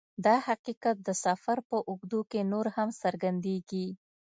دا حقیقت د سفر په اوږدو کې نور هم څرګندیږي